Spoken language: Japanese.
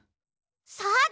そうだ！